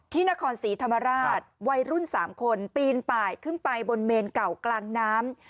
ที่นครศรีธรรมราชวัยรุ่น๓คนปีนป่ายขึ้นไปบนเมนเก่ากลางน้ำ